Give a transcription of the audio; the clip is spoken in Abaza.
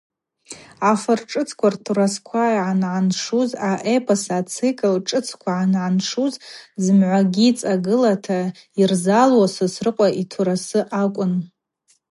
Афыр шӏыцква ртурасква ангӏаншуз, аэпос ацикл шӏыцква ангӏаншуз зымгӏвагьи цӏагылата йырзалуаз Сосрыкъва йтурасы акӏвын.